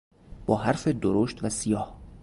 با حروف درشت و سیاه